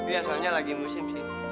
iya soalnya lagi musim sih